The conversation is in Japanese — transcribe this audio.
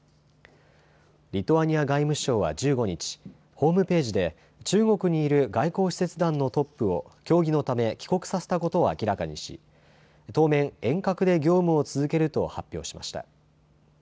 リトアニア外務省は１５日、ホームページで中国にいる外交使節団のトップを協議のため帰国させたことを明らかにし当面、遠隔で業務を続けると発表しました。